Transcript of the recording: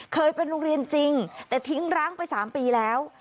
เคยเป็นโรงเรียนจริงแต่ทิ้งร้างไป๓ปีแล้ว